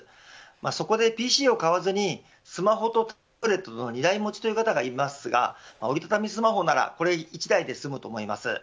そこでＰＣを買わずに、スマホとタブレットの２台持ちという方がいますが折り畳みスマホならこれ１台で済むと思います。